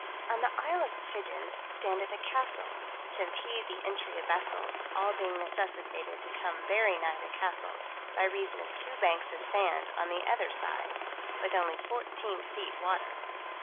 On the Isle of Pigeons standeth a castle, to impede the entry of vessels, all being necessitated to come very nigh the castle, by reason of two banks of sand on the other side, with only fourteen feet water.